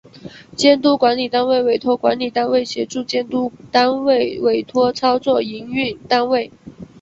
监督管理单位委托管理单位协助监督单位委托操作营运单位